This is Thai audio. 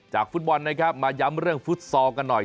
ฟุตบอลนะครับมาย้ำเรื่องฟุตซอลกันหน่อย